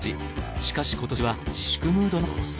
しかし今年は自粛ムードの様子。